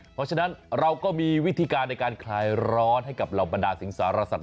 เพราะฉะนั้นเราก็มีวิธีการในการคลายร้อนให้กับเหล่าบรรดาสิงสารสัตว